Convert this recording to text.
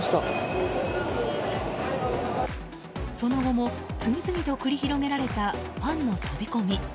その後も次々と繰り広げられたファンの飛び込み。